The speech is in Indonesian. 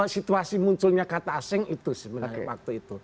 situasi munculnya kata asing itu sebenarnya waktu itu